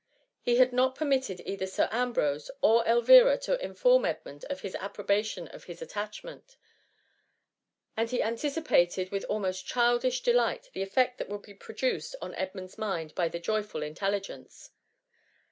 lie had not permitted either Sir Ambrose or Elvira to inform Edmund of his approbation of his attachment ; and he antici pated, with almost childish delight, the effect that would be produced on Edmund's mind by the joyful intelligence.